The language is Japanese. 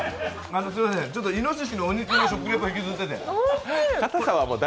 ちょっと、いのししのお肉の食レポ引きずってて。